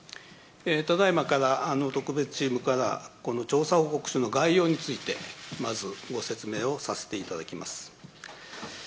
ただいまから、特別チームからこの調査報告書の概要について、まずご説明をさせていただきます。